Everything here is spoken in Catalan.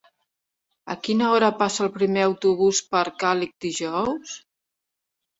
A quina hora passa el primer autobús per Càlig dijous?